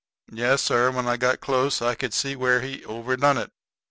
Yes, sir, when I got close I could see where he overdone it.